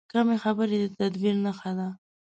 کمې خبرې، د تدبیر نښه ده.